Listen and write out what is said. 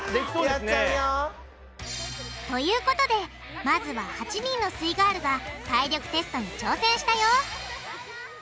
やっちゃうよ。ということでまずは８人のすイガールが体力テストに挑戦したよ！